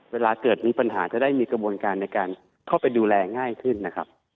เวลาเกิดมีปัญหาจะได้มีกระบวนการในการเข้าไปดูแลง่ายขึ้นนะครับ